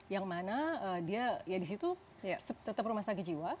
yang mana dia ya di situ tetap rumah sakit jiwa